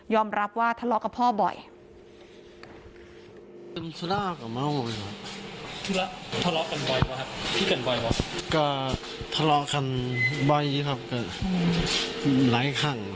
รับว่าทะเลาะกับพ่อบ่อย